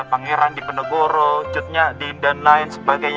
pangeran dipenegoro cud nyadin dan lain sebagainya